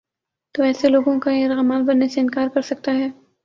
تو ایسے لوگوں کا یرغمال بننے سے انکار کر سکتا ہے۔